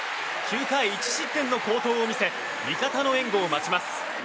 ９回１失点の好投を見せ味方の援護を待ちます。